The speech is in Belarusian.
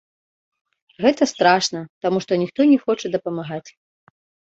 Гэта страшна, таму што ніхто не хоча дапамагаць.